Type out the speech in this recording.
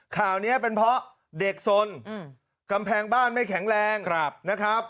ข่าวนี้เป็นเพราะเด็กสนกำแพงบ้านไม่แข็งแรงนะครับ